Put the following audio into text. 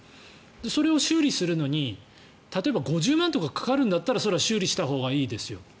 それを修理するのに例えば５０万とかかかるんだったらしたほうがいいですよ。